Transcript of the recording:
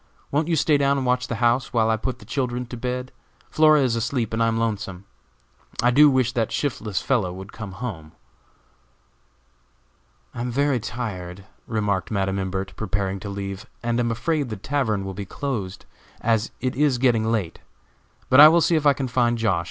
Won't you stay down and watch the house, while I put the children to bed? Flora is asleep, and I am lonesome. I do wish that shiftless fellow would come home." "I am very tired," remarked Madam Imbert, preparing to leave, "and am afraid the tavern will be closed, as it is getting late; but I will see if I can find Josh.